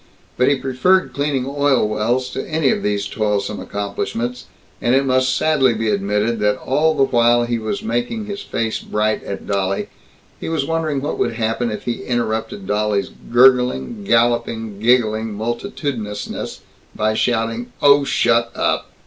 But he preferred cleaning oil wells to any of these toilsome accomplishments, and it must sadly be admitted that all the while he was making his face bright at Dolly, he was wondering what would happen if he interrupted Dolly's gurgling, galloping, giggling multitudinousness by shouting, "Oh, shut up!"